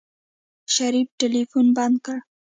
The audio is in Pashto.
شريف ټلفون بند کړ.